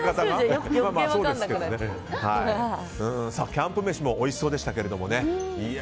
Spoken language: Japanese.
キャンプ飯もおいしそうでしたけどね。